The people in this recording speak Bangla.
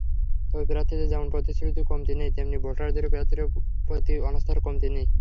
তবে প্রার্থীদের যেমন প্রতিশ্রুতির কমতি নেই, তেমনি ভোটারদেরও প্রার্থীদের প্রতি অনাস্থার কমতি নেই।